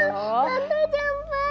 tante tante jangan pagi